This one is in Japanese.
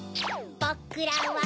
ぼくらは